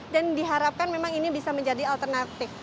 dan diharapkan memang ini bisa menjadi alternatif